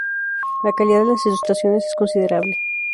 La calidad de las ilustraciones es considerable.